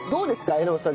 榎本さん